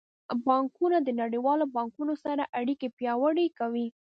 بانکونه د نړیوالو بانکونو سره اړیکې پیاوړې کوي.